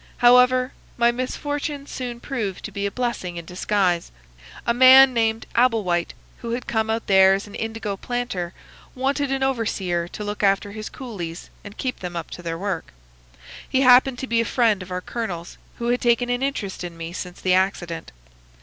However, my misfortune soon proved to be a blessing in disguise. A man named Abel White, who had come out there as an indigo planter, wanted an overseer to look after his coolies and keep them up to their work. He happened to be a friend of our colonel's, who had taken an interest in me since the accident.